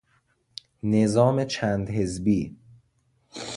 نظام چند حزبی